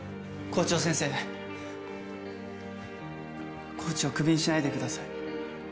コーチをクビにしないでください。